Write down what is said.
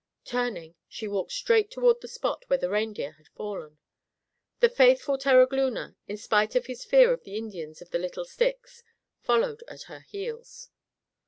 Turning, she walked straight toward the spot where the reindeer had fallen. The faithful Terogloona, in spite of his fear of the Indians of the Little Sticks, followed at her heels.